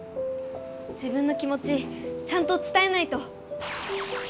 自分の気もちちゃんとつたえないと。